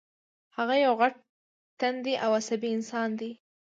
هغه یو غټ ټنډی او عصبي انسان دی